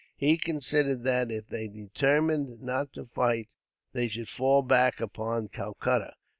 He considered that, if they determined not to fight, they should fall back upon Calcutta.